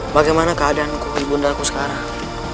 bagaimana keadaan ibu undaku sekarang